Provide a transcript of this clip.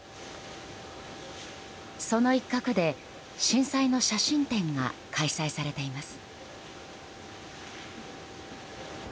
その一角で震災の写真展が開催されています。